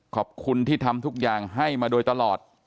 ขอบคุณที่ทำทุกอย่างให้มาโดยตลอด